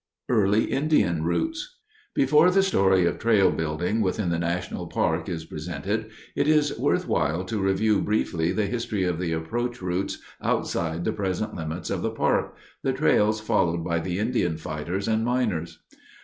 Early Indian Routes Before the story of trail building within the national park is presented, it is worthwhile to review briefly the history of the approach routes outside the present limits of the park—the trails followed by the Indian fighters and miners.